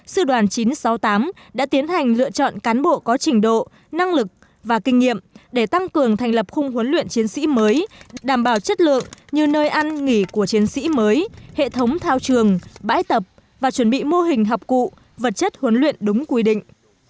sư đoàn chín trăm sáu mươi tám đã tiến hành lựa chọn cán bộ có trình độ năng lực và kinh nghiệm để tăng cường thành lập khung huấn luyện chiến sĩ mới đảm bảo chất lượng như nơi ăn nghỉ của chiến sĩ mới hệ thống thao trường bãi tập và chuẩn bị mô hình học cụ vật chất huấn luyện đúng quy định